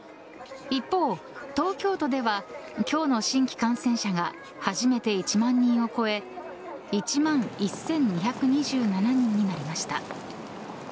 一方、東京都では今日の新規感染者が初めて１万人を超え１万１２２７人になりました。